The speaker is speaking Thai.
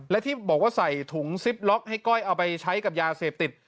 และที่บอกว่าใส่ถุงซิปล็อกให้ก้อยเอาไปใช้กับยาเสพติด